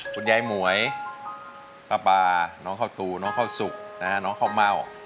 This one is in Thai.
คุณยายหมวยป้าปาน้องข้าวตูน้องข้าวสุกนะฮะน้องข้าวเม่า